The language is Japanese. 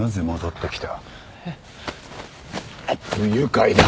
不愉快だ。